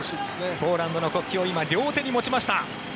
ポーランドの国旗を今、両手に持ちました。